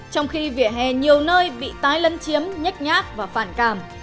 trong khi vỉa hè nhiều nơi bị tái lấn chiếm nhắc nhát và phản cảm